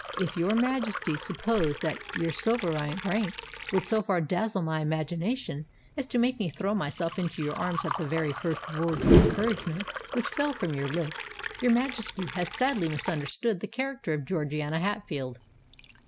"If your Majesty supposed that your sovereign rank would so far dazzle my imagination as to make me throw myself into your arms at the very first words of encouragement which fell from your lips, your Majesty has sadly misunderstood the character of Georgiana Hatfield."